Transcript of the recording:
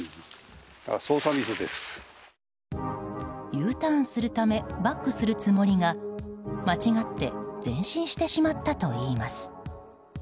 Ｕターンするためバックするつもりが間違って前進してしまったといいます。